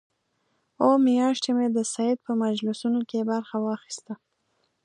اووه میاشتې مې د سید په مجلسونو کې برخه واخیسته.